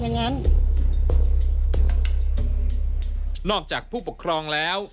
นอกจากผู้ปกครองแล้ว